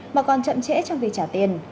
mà còn chậm trễ trong việc trả tiền